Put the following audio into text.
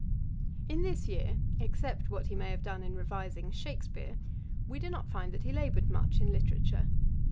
] In this year, except what he may have done in revising Shakspeare, we do not find that he laboured much in literature.